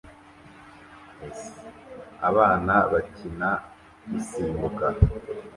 Abana bakina gusimbuka